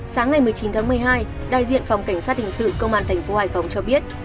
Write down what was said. sáng ngày một mươi chín tháng một mươi hai đại diện phòng cảnh sát hình sự công an thành phố hải phòng cho biết